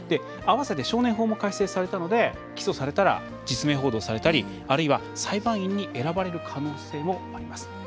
あわせて少年法も改正されたので起訴されたら実名報道されたりあるいは、裁判員に選ばれる可能性もあります。